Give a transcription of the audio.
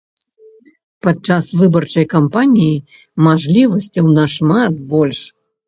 Падчас выбарчай кампаніі мажлівасцяў нашмат больш.